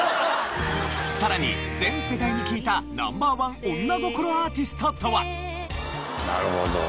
さらに全世代に聞いたナンバー１女心アーティストとは？